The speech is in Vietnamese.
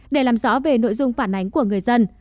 để làm rõ về nội dung phản ánh của người dân